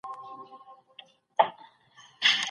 د دلارام په غرو کي ډېر کاڼي او زېرمې سته